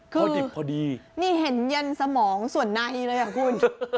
คือนี่เห็นยันสมองส่วนในเลยอ่ะคุณ